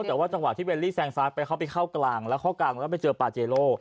แต่ว่าจังหวะที่เวลลี่แซงซ้ายไปเข้าไปเข้ากลางแล้วเข้ากลางแล้วไปเจอปาเจโล